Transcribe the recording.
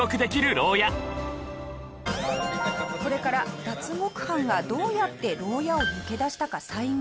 これから脱獄犯がどうやって牢屋を抜け出したか再現します。